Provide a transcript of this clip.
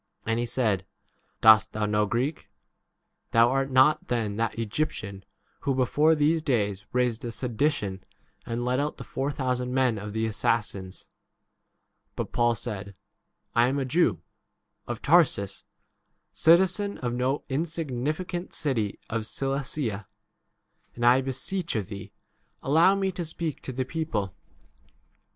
And he said, Dost thou 33 know Greek ? Thou art not then that Egyptian who before these days raised a sedition and led out the four thousand men of the 39 assassins ? But Paul said, I am p Literally ' men Israelites.' ACTS XXI, XXTT. a Jewi of Tarsus, citizen of no insignificant city of Cilicia, and I beseech of thee, allow me to speak 40 to the people.